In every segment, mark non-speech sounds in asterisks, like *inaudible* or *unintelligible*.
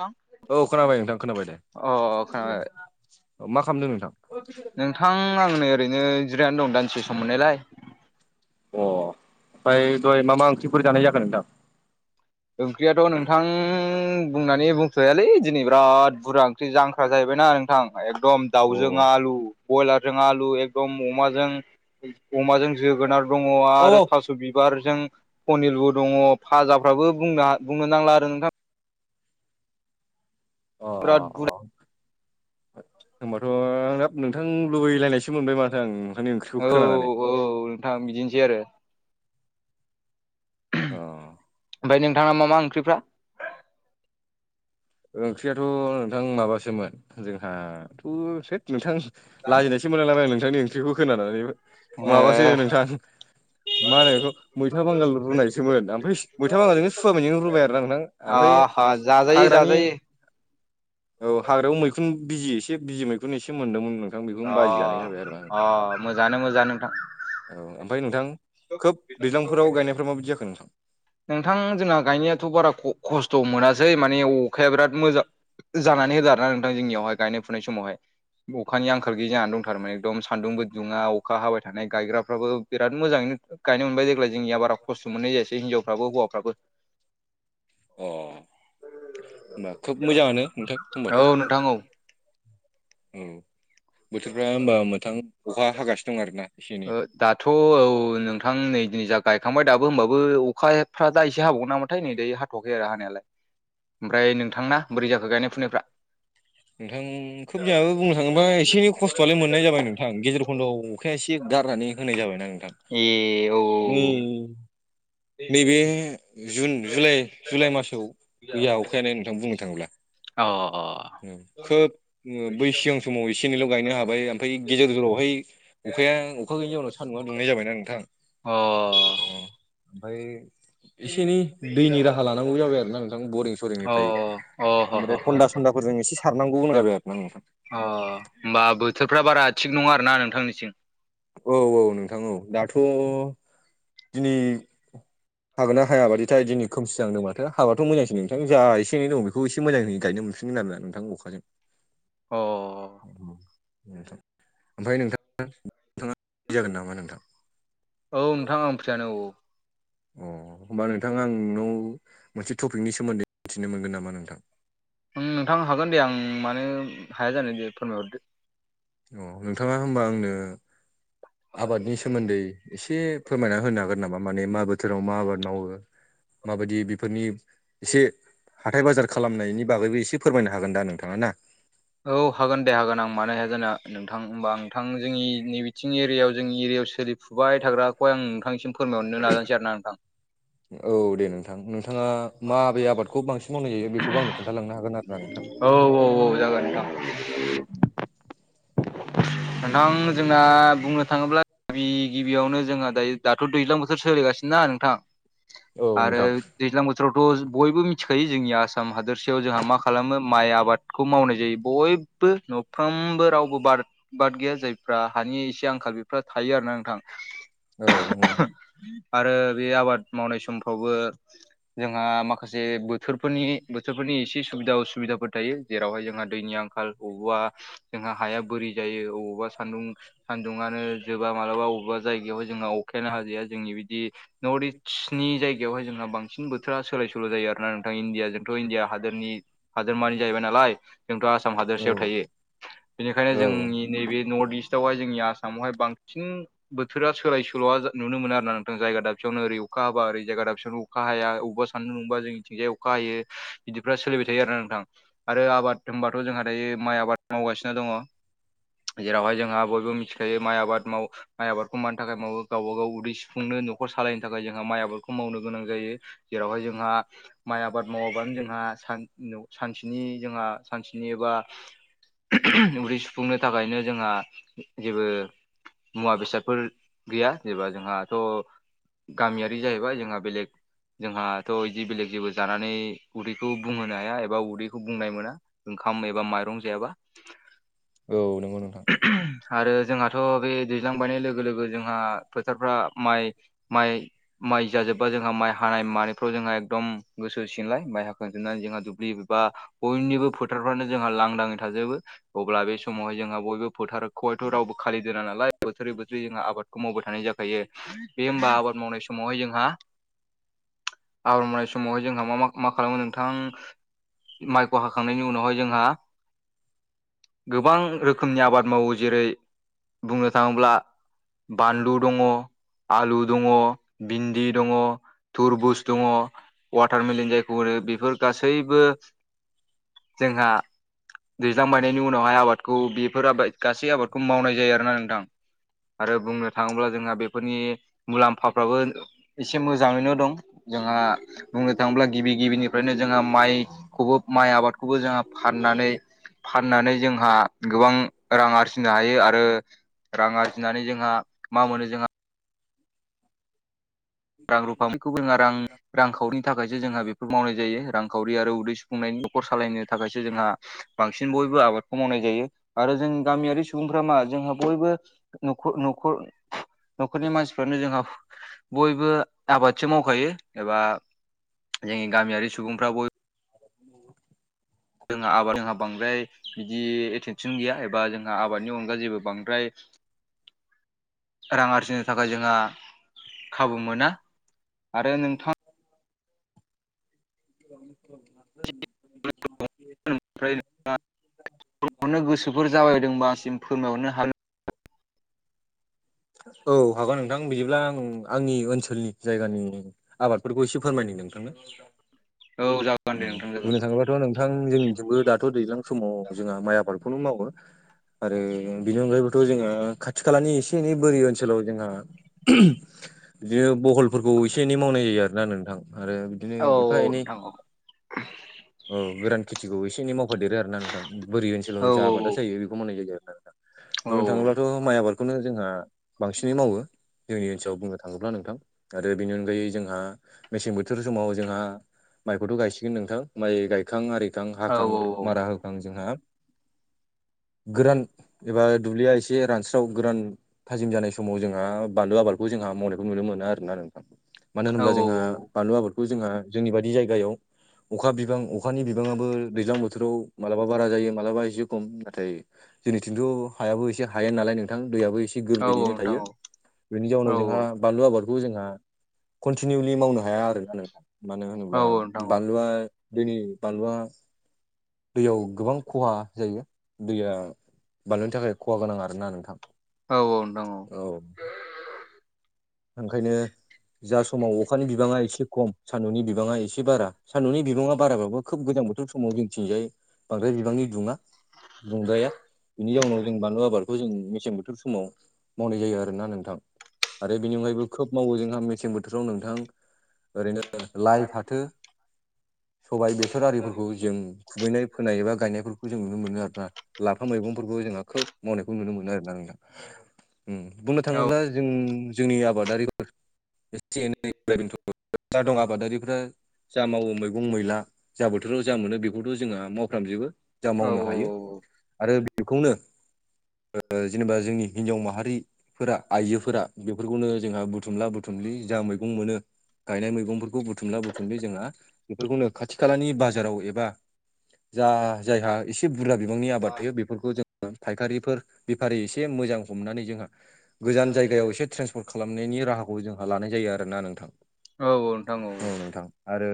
अ औ खोनाबाय नोंथां खोनाबाय दे। खोनाबाय औ मा खालामदों नोंथां? नोंथां आंनो ओरैनो जिरायनानै दं दानदिसे सम मोननायलाय। अ ओमफ्राय दहय मा मा ओंख्रिफोर जानाय जाखो नोंथां? ओंख्रियाथ' नोंथां बुंनानै बुंसहायालै दिनै बिराद बुरजा ओंख्रि जांख्रा जाहैबायना नोंथां। एकदम दाउजों अ आलु। बयलारजों आलु एकदम अमाजों अमाजों जोगोनार दङ औ आरो थास' बिबारजों पनिरबो दङ फाजाफ्राबो बुंनो बुंनो नांला आरो नोंथां। बिरात बुर- होनोमबाथ' आं नोंथां लुबैलायनायसो मोनबाय माथो आं नोंथांनि ओंख्रिखौ खोनानानै। थां बिदिनोसै आरो अ ओमफ्राय नोंथाङा मा मा ओंख्रिफ्रा? ओंख्रियाथ' नोंथां माबासोमोन जोंहाथ' *unintelligible* नोंथां लाजिनायसो मोनलायलांबाय नोंथांनि ओंख्रिखौ खोनानानै माबासो ए नोंथां मा होनो बेखौ मैथा बांगाल रुनायसोमोन ओमफ्राय मैथा बांगालजोंनो सुआ माय नों रुबाय आरो आ नोंथां ओमफ्राय आ हा जाजायो हाग्रानि जाजायो। औ हाग्रायाव मैखुन बिजि एसे बिजि मैखुन एसे मोन्दोंमोन नों- अ अ मोजाङानो मोजां नोंथां। औ ओमफ्राय नोंथां खोब दैज्लांफोराव गायनायफ्रा माबायदि जाखो नोंथां? नोंथां जोंना गायनायाथ' बारा ख'-खस्थ' मोनासै माने अखाया बिराद मोजां। जानानै होदो आरो ना नोंथां जोंनियावहाय गायनाय-फुनाय समावहाय। अखानि आंखाल गैयै जानानै दंथारोमोन एकदम सान्दुंबो दुङा अखा हाबाय थानाय गायग्राफ्राबो बिराद मोजाङैनो गायनो मोनबाय देग्लाय जोंनिया बारा खस्थ' मोननाय जायासै हिनजावफ्राबो हौवाफ्राबो। अह होमबा खोब मोजाङानो नोंथां औ होनबाथ'। नोंथां औ औ बोथोरफ्रा होमबा नोंथां अखा हागासिनो दं आरोना ओ एसे-एनैया। दाथ' औ नोंथां नै दिनै जा गायखांबाय दाबो होमबाबो अखाफ्रा दा एसे हाबावगौ नामोनथाय नै दायो थ'आखै आरो हानायालाय। ओमफ्राय नोंथांना बोरै जाखो गायनाय-फुनायफ्रा? नोंथां खोब जोंहाबो बुंनो थाङोबा एसे खस्थ'आलाय मोननाय जाबाय नोंथां। नोंथां गेजेर खन्दआव अखाया एसे गारनानै होनाय जाबायना नोंथां। ए औ नै नैबे जुन जुलाइ जुलाइ मासाव गैया अखायाानो नोंथां बुंनो थाङोब्ला। अह उम खोब बै सिगां समाव एसे एनैल' गायनो हाबाय ओमफ्राय गेजेर जलावहाय अखाया अखा गैयनि जउनाव सान्दुंआ दुंनाय जाबायना नोंथां। अह अ ओमफ्राय एसे एनै दैनि राहा लानांगौ जाबाय आरो ना नोंथां बरिं अ सरिंनिफ्राय ह ह ओमफ्राय ह हन्दा सन्दाफोरजों एसे सारनांगौ अनु आरो जाबाय ना नोंथां। अ होमबा बोथोरफ्रा बारा थिग नङा आरो ना नोंथांनिसिम औ औ नोंथां औ दाथ' दिनै हागोना हायााबादिथाय दिनै खोमसि जाना दं माथो। हाबाथ' मोजांसै नोंथां जा एसे-एनै दं बे- खौ एसे मोजाङै गायनो मोनफिनगोन आरोना नोंथां अखाजों अ औ नोंथां ओमफ्राय नोंथाङा *unintelligible* जागोन नामा नोंथां? औ नोंथां आं फ्रियानो औ। अ होमबा नोंथां आं नोंनाव मोनसे टपिकनि सोमोन्दै मिथिनो मोनगोन नामा नोंथां? ओं नोंथां हागोन दे आं मानो हाया जानो दे फोरमायहरदो। अ नोंथाङा होनबा आंनो आबादनि सोमोन्दै एसे फोरमायना होनो हागोन नामा माने मा बोथोराव मा आबाद मावो माबायदि बेफोरनि एसे हाथाय बाजार खालामनायनि बागैबो एसे फोरमायनो हागोन दा नोंथाङा ना औ हागोन दे हागोन आं मानो हाया जाना नोंथां होमबा नोंथां जोंनि नैबे आथिं एरियायाव जोंनि एरियायाव सोलिुब थाग्राखौ आं नोंथांनिसिमायहर नाजानानोासै आरो ना नोंथां औ दे नोंथां नोंथाङा मा आबै आबादखौ बांसिन मावनाय जायो बेखौ आंनो खोन्थालांनो हागोन आरो ना नोंथां औ औ औ जागोन दा *inaudible* नोंथां जोंना बुंनो थाङोब्ला गिबि गिबियावनो जोंहा दायो दाथ' दैज्लां बोथोर सोलिगासिनोना नोंथां औ आरो नोंथां दैज्लां बोथोरावथ' बयबो मिथिखायो जोंनि आसाम हादोरसेयाव जोंहा मा खालामो माइ आबादखौ मावनाय जायो बयबो नफ्रोमबो रावबो बार बार्ट गैया जायफ्रा हानि एसे आंखाल बेफ थायो आरो ना नोंथां औ आरो बे आबाद मावनाय समफ्रावबो जोंहा माखासे बोथोरफोरनि बोथोरफोरनि एसे सुबिदा उसुबिदाफोर थायो जेरावहाय जोंहा दैनि आंखाल हवा जोंहा हाया बोरि जायो अबावबा सान्दुं सान्दुुंङनो जोबा मालाबा बबेबा जायगायाव जोंहा अखायानो हाजोाया जोंनि बिदि नर्थ इस्टनि जायगायावहाय जोंहा बांसिन बोथ बोथ्रा सोलाय सोल' जायो आर ना नोंथां इण्डियाजोंथ' इण्डिया हादरनि हादोरमानि जाहैबाय नालाय जोंथ' आसाम औ हादोरसायाव थायो बेनिखायनो औ जोंनि नैबे नर्थ इस्टआवहाय जोंनि आसामावहाय बांसिन बोथोरा सोलाय सोल'आ नुनो मोन आरो नथां जाया दाबसेयावनो ओर अखा हाबा ओरैायगा दाबसेयावनो अखा हाया बबेावबा साननो नुंबा जोंनिथिंजाय अखा हायो बिदिफ सोलिबाय थायो आरो नोंथां आरो आबाद होनबाथ' जोंहा दायो माइ आबाद मावगासिनो दङ जेरावहाय जोंहा बयबो मिथिखायो माइ आबाद माव माइ आबाद खमानि थाखायाबा गावब गाव उदै सुफुंनो न'खर सालायनो थाखाय जोंहा माइ आबाद खौ मावनो गोनां जायो जेरावहाय जोंहा माइ आबाद मावाबानो जोंहाान सानसेनि जोंहा सानसेनि बा उदै सुफुंनो थाखायनो जोंहा जेबो मुवा बेसादफोर गैया जेनेबा जोंहाथ' गामियारि जाहैबाय जोंहा बेलेग जोंहाथ' बिदि बेलेग जेबो जानानै उदैखौ बुंहोनो हाया एबा उदैखौ बुंनाय मोना *unintelligible* औ नंगौ नोंथां। आरो जोंहाथ' बे दैज्लां बायनाय लोगो लोगो जोंहा फोथारफ्रा माइ माइ माइ जाजोब्बा जोंहा माइ हानाय मानायफ्राव जोंहा एकदम गोसो सिनलाय माइ हाखांजोबनानै जोंहा दुब्लि बबा बयनिबो फोथारफ्रानो जोंहा लांदाङै थाजोबो अब्ला बे समावहाय जोंहा बयबो फोथारखौहायथ' रावबो खालि दोना नालाय बोथोरै बोथोरै जोंहा आबादखौ मावबाय थानाय जाख बे होमबा आबाद मावनाय समावहाय जोंहा आबाद मावनाय समावहाय जोंहा मा मा खालामो नोंथां माइखौ हाखांनायनि उनावहाय जोंहा गोबां रोखोमनि आबाद मावो जेरै बुंनो थाङोब्ला बानलु दङ आलु दङ भिन्दि दङ थरबुज दङ वाटारमलिन जायखौ होनो बेफोर गासैबो जोंहा दैज्लां बायनायनि उनावहाय आबादखौ बेफोर आबाद गासै आबादखौ मावनाय जायो आरोना नोंथां आरो बुंनो थाङोब्ला जोंहा बेफोरनि मुलाम्फाफ्राबो एसे मोजाङैनो दं जोंहा बुंनो थाङोब्ला गिबि गिबिनिफ्रायनो जोंहा माइखौबो माइ आबाद खौबो जोंहा फाननानै फाननानै जोंहा गोबां रां आरजिनो हायो आरो रां आरजिनानै जोंहा मा मोनो जोंहा रां रुफा बेखौबो जोंङो रां रां खावरिनि थाखायसो जोंहा बे मावनाय जायो रांखावरि आरो उदै सुफुंनायनि न'खर सालायनो थाखायसो जोंहा बांसिन बयबो आबादखौ मावनाय जायो आरो जों गामियारि सुबुंफ्रा मा जोंहा बयबो नख' नख' न'खरनि मानसिफ्रानो जोंहा बय बो आबादसो मावखायो एबा जोंनि गामियारि सुबुंफ्रा बय *inaudible* जोंहा आबाद जोंहा बांद्राय बिदि एतेन सन गैया एबा जोंहा आबादनि अनगा जेबो बांद्राय रां आरजिनो थाखाय जोंहा खाबु मोना आरो नोंथां *inaudible* *unintelligible* गोसोफोर जाबायदोंबासिम फोरमायहरनो हा औ हागोन नोंथां बिदिब्ला आं आंनि ओनसोलनि जायगानि आबादफोरखौ एसे फोरमायनि नोंथांनो। औ जा औ बुंनो थांङोबाथ' नोंथां जोंनिथिंबो दा थ' दैज्लां समाव जोंहा माइ आबादखौनो मावो आरो बेनि अनगायैबोथ' जोङो खा खाथि खालानि एसे एनै बोरि ओनसोलाव जोंहा *unintelligible* बिदिनो बहलफोरखौ एसे एनै मावनाय जायो आरोना नोंथां आरो बिदिनो औ एफा औ एनै नोंथां औ। औ गोरान खेथिखौ एसे एनै मावफादेरो आरोना नोंथां बोरि औ ओनसोलाव जा आबादा जायो बेखौ मावनाय जायो आरोना नोंथां। औ बुंनो थाङोब्लाथ' माइ आबादखौनो जोंहा बांसिनै मावो। जोंनि ओनसोलाव बुंनो थाङोब्ला नोंथां आरो बेनि अनगायै जोंहा मेसें बोथोर समाव जोंहा माइखौथ' गायसिगोन नोंथां माइ गायखां आरिखां औ हाखां मारा होखां जोंहा गोरान एबा दुब्लिया एसे रानस्राव गोरान थाजिम जानाय समाव जोंहा बानलु आबादखौ जोंहा मावनायखौ नुनो मोना आरोना नोंथां। मानो होनोब्ला जोंहा बानलु आबादखौ जोंहा जोंनि बादि जायगायाव अखा बिबां अखानि बिबाङाबबो दैज्लां बो थोराव मालाबा बारा जायो मालाबा एसे खम नाथाय जोंनिथिंथ' हायाबो एसे हायेन नालाय नोंथां दैयाबो एसे औ औ गोरलैयैनो नोंथां थायो औ बेनि औ जाउनाव जोंहा बानलु आबादखौ जोंहा कन्टिनिउलि मावनो हाया आरो आरोना नोंथां मानो होनोब्ला औ नोंथां औ बा दैनि बानलुवा दैयाव गोबां खहा जायो दैया बानलुनि थाखाय खहा गोनां आरोना नोंथां। औ औ नोंथां औ। औ। ओंखायनो जा समाव अखानि बिबाङा एसे खम सान्दुंनि बिबाङा एसे बारा सान्दुंनि बिबाङा बाराबाबो खोब गोजां बोथोर समाव जोंनिथिंजाय बांद्राय बिबांनि दुङा दुंद्राया बेनि जाउनाव जों बानलु आबाद खौ जों मेसें बोथोर समाव मावनाय जायो आरोना नोंथां। आरो बेनि अनगायैबो खोब मावो जोंहा मेसें बोथोराव नोंथां ओरैनो लाइ फाथो सबाय बेसर आरिफोरखौ जों खुबैनाय फोनाय एबा गायनायफोरखौ जों नुनो मोनो आरोना। लाफा मैगंफोरबो जोंहा खोब मावनायखौ नुनो मोनो आरोना आं दा। उम बुंनो थाङोब्ला जों जोंनि आबादारिखौ एसे एनै *unintelligible* जा दं आबादारिफ्रा जा मावो मैगं मैला जा बोथोराव जा मोनो बेखौथ' जोङो ओ मावफ्रामजोबो जा मावनो हायो आरो बेखौनो ओ जेनेबा जोंनि हिनजाव माहारिफोरा आइजोफोरा बेफोरखौनो जोंहा बुथुमला बुथुमलि जा मैगं मोनो गायनाय मैगंफोरखौ बुथुमला बुथुमलि जोंहा बेफोरखौनो खाथि खालानि बाजाराव एबा जा जायहा एसे बुरजा बिबांनि आबाद थायो बेफोरखौ जोङो फायखारिफोर बेफारि एसे मोजां हमनानै जोंहा गोजान जायगायाव एसे ट्रेन्सपर्ट खालामनायनि राहाखौ जों लानाय जायो आरोना नोंथां औ नोंथां आरो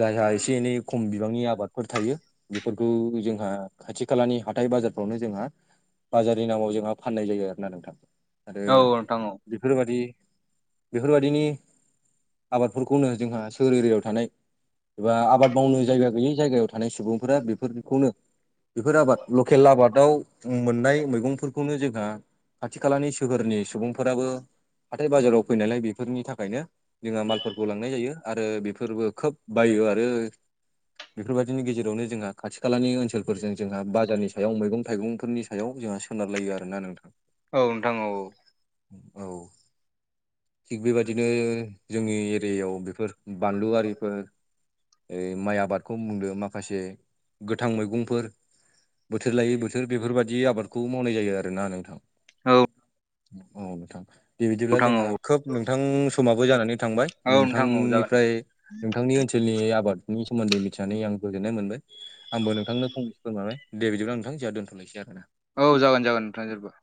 जायहा इसे एनै खम बिबांनि आबादफोर थायो बेफोरखौ जोंहा खाथि खालानि हाथाय बाजारफ्रावनो जोंहा बाजारनि नामाव जोंहा फाननाय जायो आरो ना नोंथां आरो औ नोंथां बेफोरबायदि बेफोरबायदिनि आबादफोरखौनो जोंहा सोर एरिायाव थानाय एबा आबाद मावनो जायगा गैयै जायगायाव थानाय सुबुंफोरा बेफोरखौनो बेफोर आबाद लकेल आबादाव मोननाय मैगंफोरखौनो जोंहा खाथि खालानि सोहोरनि सुबुंफोराबो हाथाय बाजाराव फैनायलाय बेफोरनि थाखायनो जोंहा मालफोरखौ लांनाय जायो आरो बेफोरबो खोब बायो आरो बेफोरबायदिनि गेजेरावनो जोंहा खाथि खालानि ओनसोलफोरजों जोंहा बाजारनि सायाव मैगं थाइगंफोरनि सायाव जोंहा सोनारलायो आरो ना नोंथां औ नोंथां औ औ औ थिग बेबायाददिनो जोंनि एरियायाव बेफोर बान्लुवारिफोर ओ माइ आबादखौ बुंदों माखासे गोथां मैगंफोर बोथोर लायै बोथोर बेफोरबायदि आबादखौ मावनाय जायो आरोना नोंथां औ औ नोंथां बेबायदिब्ला औ जोंहा खोब नोंथां समाबो जानानै थांबाय नोंथां औ जागोन नोंथांनिफ्राय नोंथांनि ओनसोलनि आबादनि सोमोन्दै मिथिनानै आं गोजोननाय मोनबाय आंबो नोंथांनो फंनैसिगोन माबाय दे बिदिबा नोंथां जों दोनथ'नोसै आरोना औ जागोन जागोन नोंथां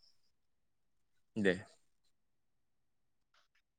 दे